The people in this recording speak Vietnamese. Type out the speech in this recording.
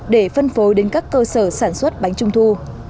để phân phối đến các cơ sở sản xuất bánh trung thu